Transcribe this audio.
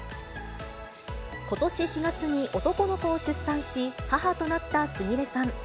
ことし４月に男の子を出産し母となったすみれさん。